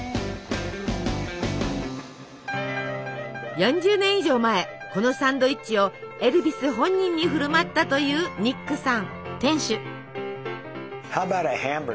４０年以上前このサンドイッチをエルヴィス本人に振る舞ったというニックさん。